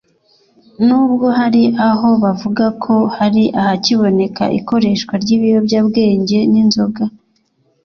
n ubwo hari aho bavuga ko hari ahakiboneka ikoreshwa ry ibiyobyabwenge n inzoga